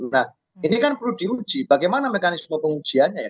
nah ini kan perlu diuji bagaimana mekanisme pengujiannya ya